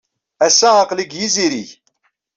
Ass-a, aql-iyi deg yizirig.